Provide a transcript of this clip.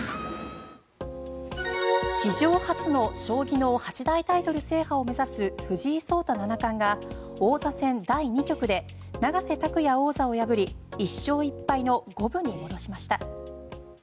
史上初の将棋の八大タイトル制覇を目指す藤井聡太七冠が王座戦第２局で永瀬拓矢王座を破り１勝１敗の五分に戻しました。